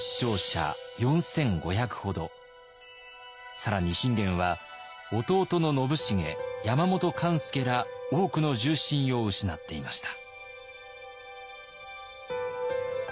更に信玄は弟の信繁山本勘助ら多くの重臣を失っていました。